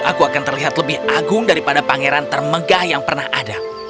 aku akan terlihat lebih agung daripada pangeran termegah yang pernah ada